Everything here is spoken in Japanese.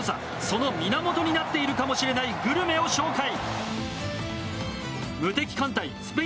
その源になっているかもしれないグルメを紹介！